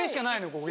ここ。